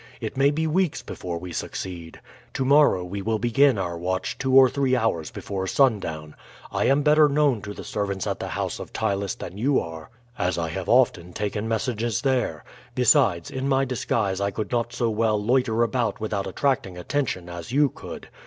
It may be weeks before we succeed. To morrow we will begin our watch two or three hours before sundown. I am better known to the servants at the house of Ptylus than you are, as I have often taken messages there; besides, in my disguise I could not so well loiter about without attracting attention as you could.